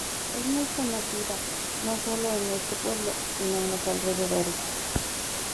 Es muy conocida no sólo en este pueblo, sino en los alrededores.